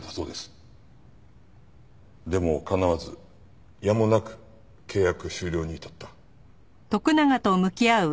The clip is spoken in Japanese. でもかなわずやむなく契約終了に至った。